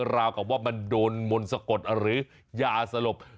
ราวกับว่ามันโดนมนต์สะกดหรือยาสลบ